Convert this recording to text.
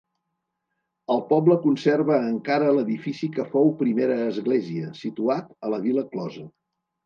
El poble conserva encara l'edifici que fou primera església, situat a la vila closa.